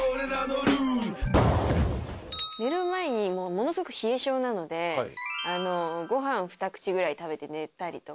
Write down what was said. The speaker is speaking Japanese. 寝る前にものすごく冷え性なのでご飯を２口ぐらい食べて寝たりとか。